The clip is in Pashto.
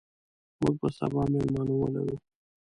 موږ به سبا مېلمانه ولرو.